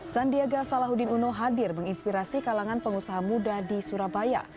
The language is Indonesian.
sandiaga salahuddin uno hadir menginspirasi kalangan pengusaha muda di surabaya